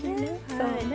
そうね。